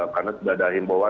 karena sudah ada himbauan